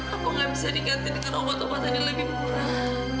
apa gak bisa di ganti dengan obat obatan yang lebih berharga